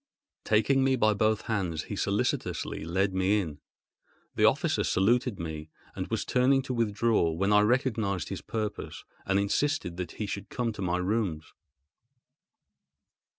Taking me by both hands he solicitously led me in. The officer saluted me and was turning to withdraw, when I recognised his purpose, and insisted that he should come to my rooms.